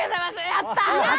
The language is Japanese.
やった！